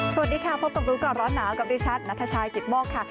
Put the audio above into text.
สวัสดีค่ะพบกับรู้ก่อนร้อนหนาวกับดิฉันนัทชายกิตโมกค่ะ